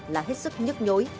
là hết sức nhức nhối